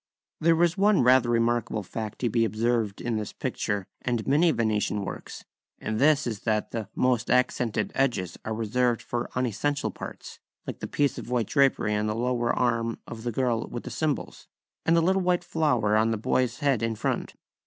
There is one rather remarkable fact to be observed in this picture and many Venetian works, and this is that the #most accented edges are reserved for unessential parts#, like the piece of white drapery on the lower arm of the girl with the cymbals, and the little white flower on the boy's head in front.